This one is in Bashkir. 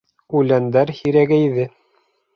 Үләндәр һирәгәйҙе.